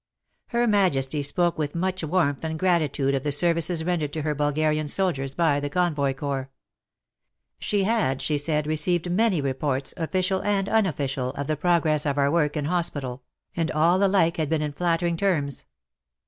Her Majesty spoke with much warmth and gratitude of the services rendered to her Bulgarian soldiers by the Convoy Corps. She had, she said, received many reports, official and unofficial, of the progress of our work in hospital, and all alike had been in flattering terms.